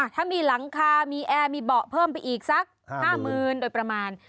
ถ้ามีหลังคามีแอร์มีเบาะเพิ่มไปอีกสัก๕๐๐๐โดยประมาณ